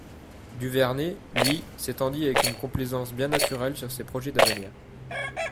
Duvernet, lui, s'étendit avec une complaisance bien naturelle sur ses projets d'avenir.